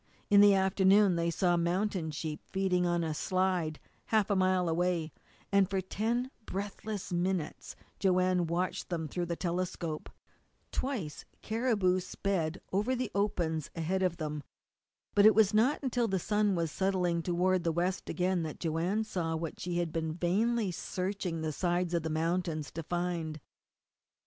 In the afternoon they saw mountain sheep feeding on a slide half a mile away, and for ten breathless minutes Joanne watched them through the telescope. Twice caribou sped over the opens ahead of them. But it was not until the sun was settling toward the west again that Joanne saw what she had been vainly searching the sides of the mountains to find.